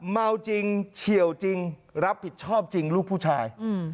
เมาจริงเฉียวจริงรับผิดชอบจริงลูกผู้ชาย